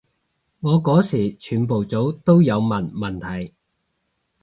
我嗰時全部組都有問問題